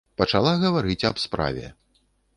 Пачала гаварыць аб справе.